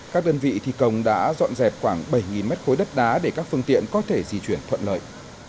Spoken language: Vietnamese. các đơn vị thi công đã dọn dẹp khoảng bảy mét khối đất đá để các phương tiện có thể di chuyển thuận lợi